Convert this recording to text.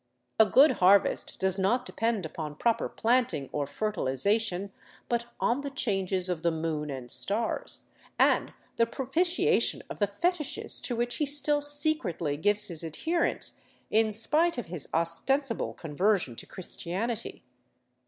A good harvest does not depend upon proper planting or fertilization, but on the changes of the moon and stars, and the propitiation of the fetishes to which he still secretly gives his adherence in spite of his ostensible conversion to Christianity.